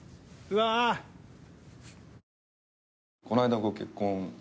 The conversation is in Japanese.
この間ご結婚。